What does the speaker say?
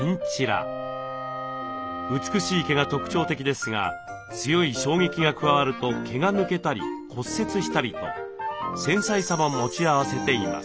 美しい毛が特徴的ですが強い衝撃が加わると毛が抜けたり骨折したりと繊細さも持ち合わせています。